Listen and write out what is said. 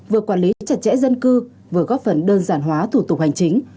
vừa quản lý chặt chẽ dân cư vừa góp phần đơn giản hóa thủ tục hành chính